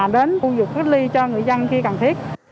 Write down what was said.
đến khu vực cách ly cho người dân khi cần thiết